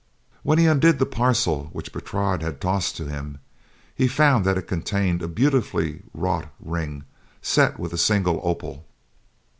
When he undid the parcel which Bertrade had tossed to him, he found that it contained a beautifully wrought ring set with a single opal.